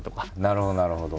なるほどなるほど。